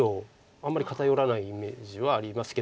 あんまり偏らないイメージはありますけど。